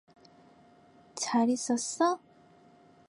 잘 있었어?